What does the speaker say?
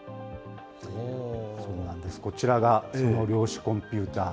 そうなんです、こちらがその量子コンピューター。